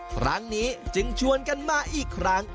ครั้งนี้จึงชวนกันมาอีกครั้ง